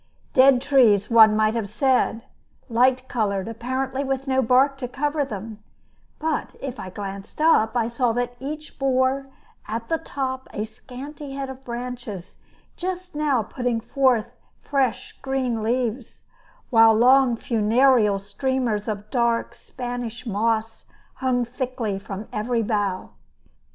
Dead trees, one might have said, light colored, apparently with no bark to cover them; but if I glanced up, I saw that each bore at the top a scanty head of branches just now putting forth fresh green leaves, while long funereal streamers of dark Spanish moss hung thickly from every bough.